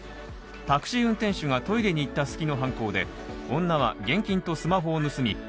タクシー運転手がトイレに行った隙の犯行で女は現金とスマホを盗み